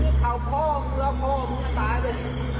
นี่เขาโภ่มึงรอโภ่มึงจะตายไป